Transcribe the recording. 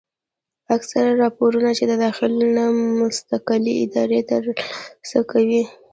اکثره راپورنه چې د داخل نه مستقلې ادارې تر لاسه کوي